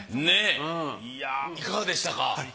ねっいやぁいかがでしたか？